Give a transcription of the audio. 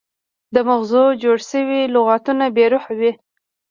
د مغزو جوړ شوي لغتونه بې روحه وي.